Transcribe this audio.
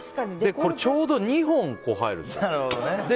これちょうど２本入るんですよ。